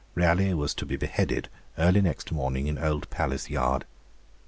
Raleigh was to be beheaded early next morning in Old Palace Yard.